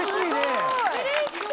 すごい！